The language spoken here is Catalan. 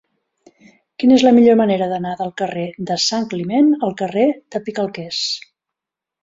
Quina és la millor manera d'anar del carrer d'en Santcliment al carrer de Picalquers?